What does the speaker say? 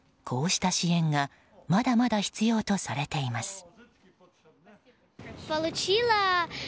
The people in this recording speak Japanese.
こうした支援がまだまだ必要とされています。